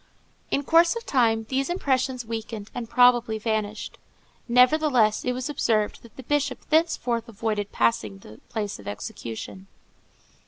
In course of time these impressions weakened and probably vanished. Nevertheless, it was observed that the Bishop thenceforth avoided passing the place of execution.